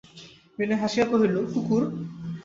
বিনয় হাসিয়া কহিল, কুকুর?